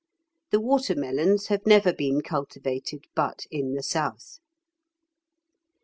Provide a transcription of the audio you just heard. The water melons have never been cultivated but in the south.